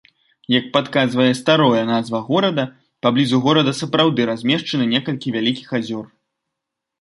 Як падказвае старое назва горада, паблізу горада сапраўды размешчаны некалькі вялікіх азёр.